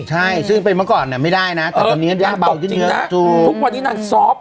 ใช่ซึ่งเป็นเมื่อก่อนไม่ได้นะแต่ตอนนี้นางบอกจริงนะทุกวันนี้นางซอฟต์